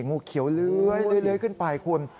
งูเขียวเลื้อยขึ้นไปคุณ